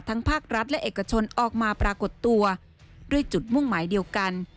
ภาครัฐและเอกชนออกมาปรากฏตัวด้วยจุดมุ่งหมายเดียวกัน